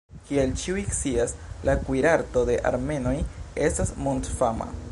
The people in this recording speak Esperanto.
Kiel ĉiuj scias, la kuirarto de armenoj estas mondfama.